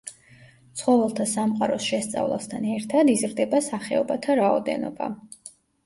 ცხოველთა სამყაროს შესწავლასთან ერთად იზრდება სახეობათა რაოდენობა.